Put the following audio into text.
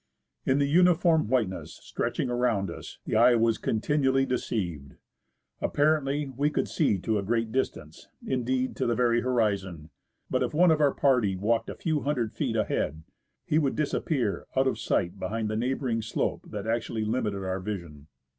In the uniform whiteness stretching around us, the eye was continually deceived. Apparently, we could see to a great distance — indeed, to the very horizon ; but if one of our party walked a few hundred feet ahead, he would disappear out of sight behind the neighbouring slope that actually limited our vision.